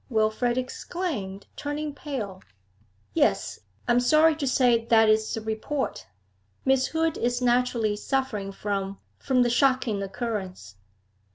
Wilfrid exclaimed, turning pale. 'Yes, I am sorry to say that is the report. Miss Hood is naturally suffering from from the shocking occurrence.'